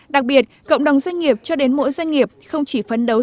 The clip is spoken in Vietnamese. đặc biệt cộng đồng doanh nghiệp cho đến mỗi doanh nghiệp không chỉ phấn đấu